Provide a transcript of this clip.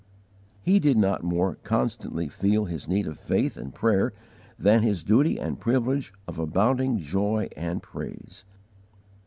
He did not more constantly feel his need of faith and prayer than his duty and privilege of abounding joy and praise.